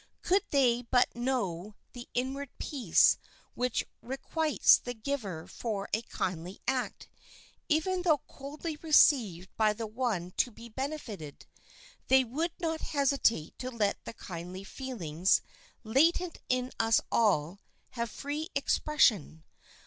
Could they but know the inward peace which requites the giver for a kindly act, even though coldly received by the one to be benefited, they would not hesitate to let the kindly feelings, latent in us all, have free expression.